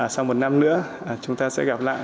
sau một năm nữa chúng ta sẽ gặp lại